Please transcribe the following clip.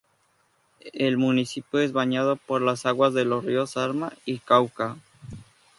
El municipio es bañado por las aguas de los ríos Arma y Cauca.